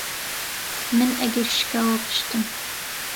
من ئەگەر شکاوە پشتم